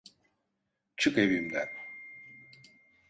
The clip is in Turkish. Çık evimden.